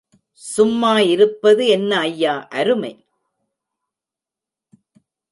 சும்மா இருப்பது என்ன ஐயா அருமை?